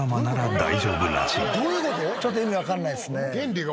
ちょっと意味わかんないですね。